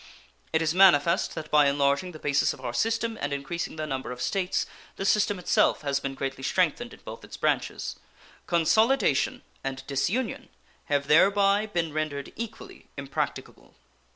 It is manifest that by enlarging the basis of our system and increasing the number of States the system itself has been greatly strengthened in both its branches. Consolidation and disunion have thereby been rendered equally impracticable.